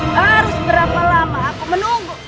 harus berapa lama aku menunggu